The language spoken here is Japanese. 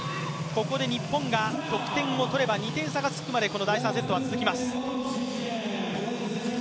ここで日本が得点をとれば２点差がつくまで第３セットは続きます。